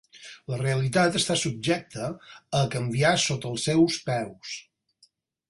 La realitat està subjecta a canviar sota els seus peus.